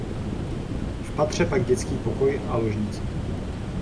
V patře pak dětský pokoj a ložnice.